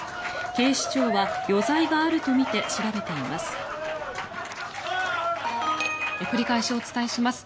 警視庁は余罪があるとみて調べています。